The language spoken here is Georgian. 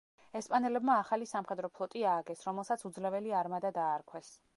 ესპანელებმა ახალი სამხედრო ფლოტი ააგეს, რომელსაც „უძლეველი არმადა“ დაარქვეს.